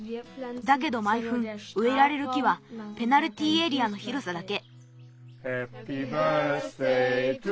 だけどまいふんうえられる木はペナルティーエリアのひろさだけ。